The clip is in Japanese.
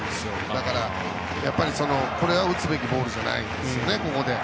だから、これは打つべきボールじゃないですね。